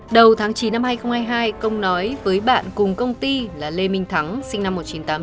đầu tháng chín năm hai nghìn hai mươi hai công nói với bạn cùng công ty là lê minh thắng sinh năm một nghìn chín trăm tám mươi chín